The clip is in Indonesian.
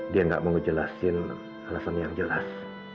dia gak mau ngejelasin alasannya yang jelas